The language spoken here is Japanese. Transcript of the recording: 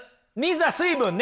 水分ね。